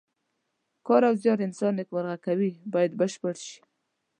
کار او زیار انسان نیکمرغه کوي باید بشپړ شي.